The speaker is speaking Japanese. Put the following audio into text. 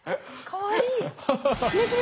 かわいい。